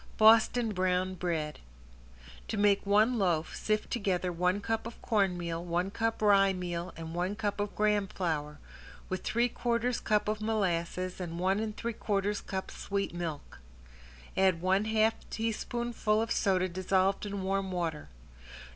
~BOSTON BROWN BREAD~ To make one loaf sift together one cup of cornmeal, one cup rye meal, and one cup of graham flour, with three quarters cup of molasses and one and three quarters cup sweet milk. Add one half teaspoonful of soda dissolved in warm water.